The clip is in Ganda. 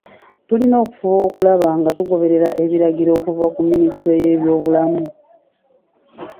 Tulina okufuba okulaba nga tugoberera ebiragiro okuva mu minisitule y'ebyobulamu.